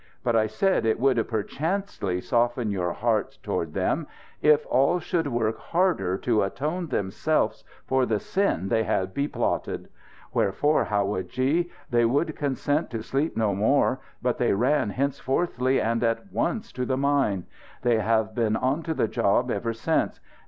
But I said it would perchancely soften your heart toward them, if all should work harder to atone themselfs for the sin they had beplotted. Wherefore, howadji, they would consent to sleep no more; but they ran henceforthly and at once to the mine. They have been onto the job ever since.